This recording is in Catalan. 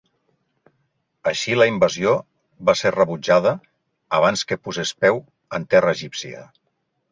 Així la invasió va ser rebutjada abans que posés peu en terra egípcia.